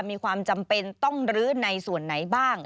มีความจำเป็นต้องลื้อในส่วนไหนบ้าง